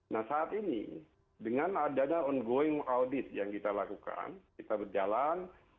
nah saat ini dengan adanya ongoing audit yang kita lakukan kita berjalan